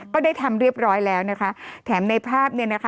ก็ได้ทำเรียบร้อยแล้วนะคะแถมในภาพเนี่ยนะคะ